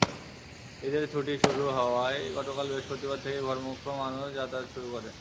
ঈদের ছুটি শুরু হওয়ায় গতকাল বৃহস্পতিবার থেকে ঘরমুখো মানুষ যাতায়াত শুরু করে।